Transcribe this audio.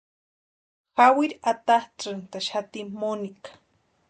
Jawiri atatsʼïntaxati Monica.